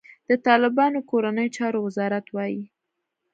د طالبانو کورنیو چارو وزارت وايي،